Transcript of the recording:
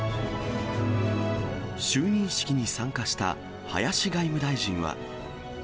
就任式に参加した林外務大臣は。